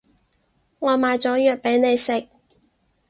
我買咗藥畀你食